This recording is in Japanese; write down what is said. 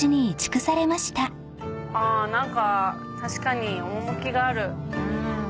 何か確かに趣がある。